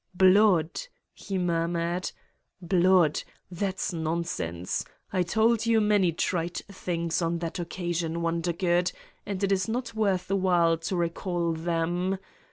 " Blood I" he murmured: "blood! that's non sense. I told you many trite things on that occa sion, Wondergood, and it is not worth while to recall them.